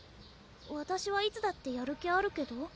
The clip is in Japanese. わたしはいつだってやる気あるけど？